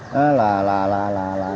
nó là là là